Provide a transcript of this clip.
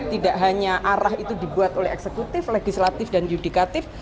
tidak hanya arah itu dibuat oleh eksekutif legislatif dan yudikatif